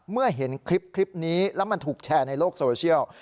เมื่อเห็นคลิปนี้แล้วมันถูกแชร์ในโลกโซเชียล